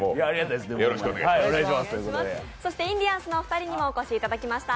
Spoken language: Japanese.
そしてインディアンスのお二人にもお越しいただきました。